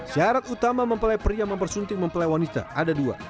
syarat utama mempelai pria mempersuntik mempelai wanita ada dua